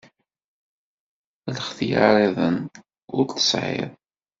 Lxetyar-iḍen ur t-tesɛiḍ.